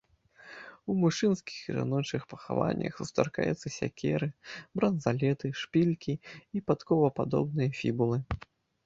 У мужчынскіх і жаночых пахаваннях сустракаюцца сякеры, бранзалеты, шпількі і падковападобныя фібулы.